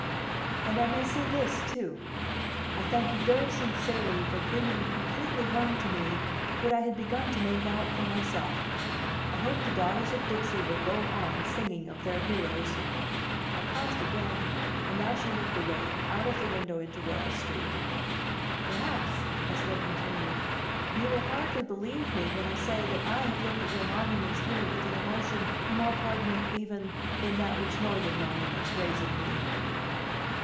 "And I may say this, too. I thank you very sincerely for bringing completely home to me what I had begun to make out for myself. I hope the Daughters of Dixie will go on singing of their heroes." I paused again, and now she looked away, out of the window into Royal Street. "Perhaps," I still continued, "you will hardly believe me when I say that I have looked at your monuments here with an emotion more poignant even than that which Northern monuments raise in me."